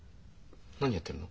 何やってるの？